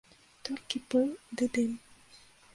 Толькі пыл ды дым.